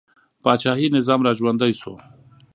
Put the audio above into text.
پاچاهي نظام را ژوندی شو.